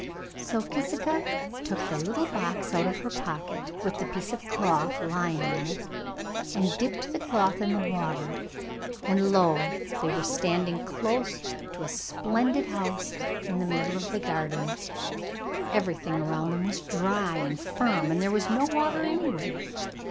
So Kisika took the little box out of her pocket, with the piece of cloth lying in it, and dipped the cloth in the water, and lo! they were standing close to a splendid house in the middle of the garden. Everything round them was dry and firm, and there was no water anywhere.